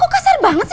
kok kasar banget sih